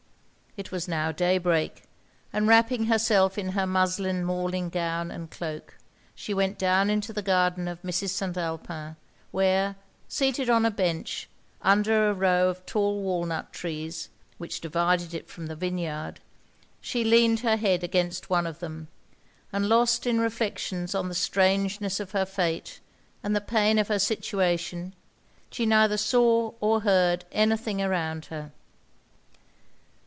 It was now day break; and wrapping herself in her muslin morning gown and cloak, she went down into the garden of Mrs. St. Alpin, where, seated on a bench, under a row of tall walnut trees, which divided it from the vineyard, she leaned her head against one of them; and lost in reflections on the strangeness of her fate, and the pain of her situation, she neither saw or heard any thing around her.